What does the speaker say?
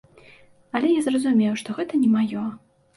Але я зразумеў, што гэта не маё.